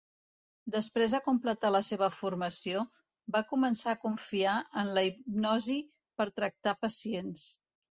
Després de completar la seva formació, va començar a confiar en la hipnosi per tractar pacients.